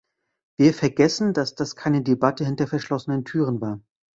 Wir vergessen, dass das keine Debatte hinter verschlossenen Türen war.